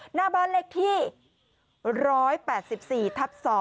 หน้าบ้านเลขที่๑๘๔ทับ๒